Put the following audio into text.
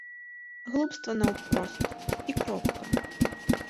Глупства наўпрост, і кропка!